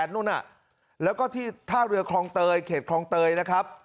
เราก็ที่ท่านเรือเขตคลองเตยนะครับ